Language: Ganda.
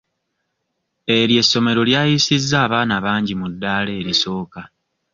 Eryo essomero lyayisizza abaana bangi mu ddaala erisooka.